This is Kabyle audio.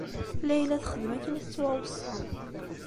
Layla texdem akken i tettwaweṣṣa.